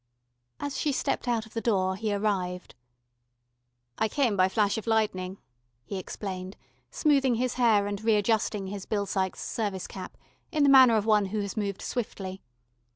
As she stepped out of the door he arrived. "I came by flash of lightning," he explained, smoothing his hair and readjusting his Bill Sykes service cap, in the manner of one who has moved swiftly.